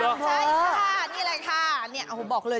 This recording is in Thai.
ใช่ค่ะนี่แหละค่ะเนี่ยโอ้โหบอกเลย